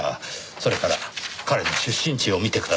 それから彼の出身地を見てください。